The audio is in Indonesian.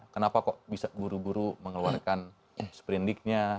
kenapa kok bisa guru guru mengeluarkan sprint leak nya